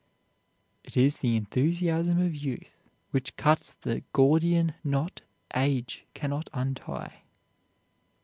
It is the enthusiasm of youth which cuts the Gordian knot age cannot untie.